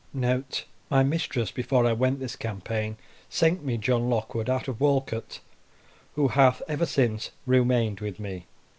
* My mistress, before I went this campaign, sent me John Lockwood out of Walcote, who hath ever since remained with me.